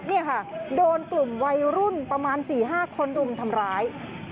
นี่ค่ะโดนกลุ่มวัยรุ่นประมาณ๔๕คนรุมทำร้าย